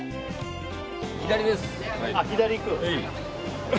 左です。